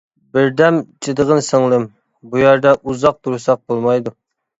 -بىردەم چىدىغىن سىڭلىم، بۇ يەردە ئۇزاق تۇرساق بولمايدۇ.